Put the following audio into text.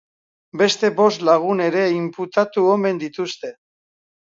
Beste bost lagun ere inputatu omen dituzte.